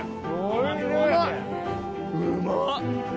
うまっ！